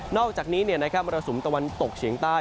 อกจากนี้มรสุมตะวันตกเฉียงใต้